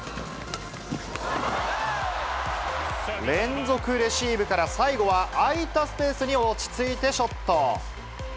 連続レシーブから、最後は空いたスペースに落ち着いてショット。